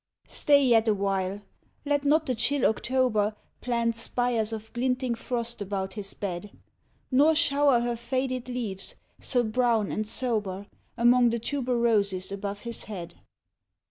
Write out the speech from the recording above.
Stay yet awhile; let not the chill October Plant spires of glinting frost about his bed; Nor shower her faded leaves, so brown and sober, Among the tuberoses above his head.